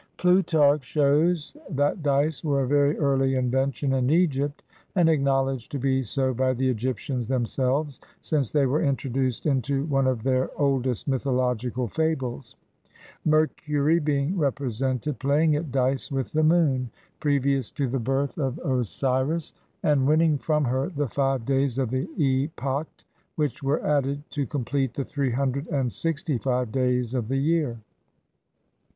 Plutarch shows that dice were a very early invention in Egypt, and acknowledged to be so by the Egyptians themselves, since they were introduced into one of their oldest mythological fables; Mercury being represented playing at dice with the Moon, previous to the birth of 22 HOW EGYPTIANS AMUSED THEMSELVES Osiris, and winning from her the five days of the epact, which were added to complete the three himdred and sixty five days of the year.